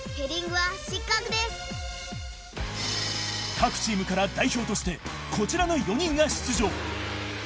各チームから代表としてこちらの４人が出場